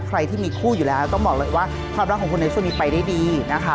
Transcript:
ใครที่มีคู่อยู่แล้วต้องบอกเลยว่าความรักของคนในช่วงนี้ไปได้ดีนะคะ